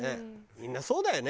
みんなそうだよね。